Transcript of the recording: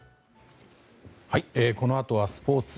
このあとはスポーツ。